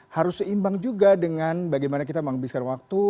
harus seimbang juga dengan bagaimana kita menghabiskan waktu